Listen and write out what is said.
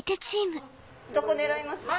どこ狙います？